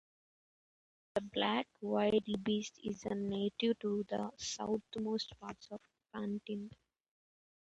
The black wildebeest is native to the southernmost parts of the continent.